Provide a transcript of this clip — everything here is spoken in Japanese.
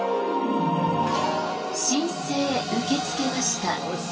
申請受け付けました